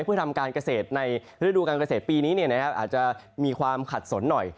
เพื่อทำการเกษตรในฤดูการเกษตรปีนี้อาจจะมีความขัดสนหน่อย